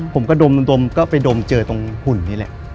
ผมก็ดมก็ไปดมเจอตรงหุ่นนี่แหละ